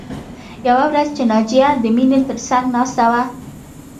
یوه ورځ چې ناجیه د مینې تر څنګ ناسته وه